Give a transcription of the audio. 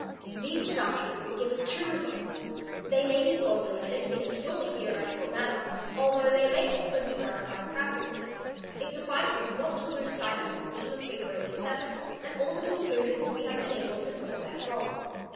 ; These deductions give us two results; they may be formulated in ¢ purely theoretical manner, although they may also be verified prac i cally ; it suffices not to lose sight of the scheme of Fig. 87 and all the conclusions we have been able to draw therefrom.